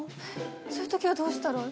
そういうときはどうしたら？